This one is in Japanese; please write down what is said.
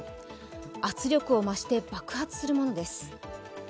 圧力を増して爆発するものです。